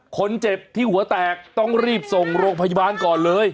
คนเจ็บที่หัวแตกต้องรีบส่งโรงพยาบาลก่อนเลย